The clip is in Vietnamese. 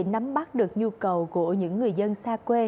nắm bắt được nhu cầu của những người dân xa quê